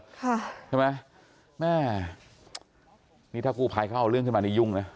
ใช่ไหมแม่นี่ถ้ากู้ภัยเขาเอาเรื่องขึ้นมานี่ยุ่งนะ